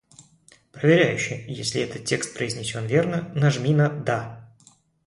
Проверяющий, если этот текст произнесён верно, нажми на "Да".